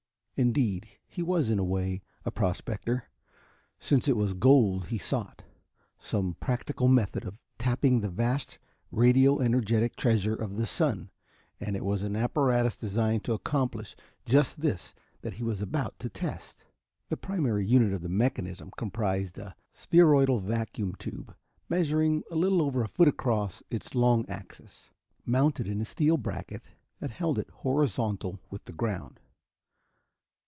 Indeed, he was in a way, a prospector, since it was gold he sought some practical method of tapping the vast radio energetic treasure of the sun and it was an apparatus designed to accomplish just this that he was about to test. The primary unit of the mechanism comprised a spheroidal vacuum tube measuring a little over a foot across its long axis, mounted in a steel bracket that held it horizontal with the ground.